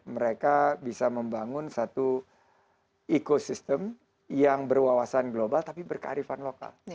mereka bisa membangun satu ekosistem yang berwawasan global tapi berkearifan lokal